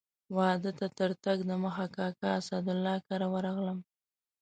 واده ته تر تګ دمخه کاکا اسدالله کره ورغلم.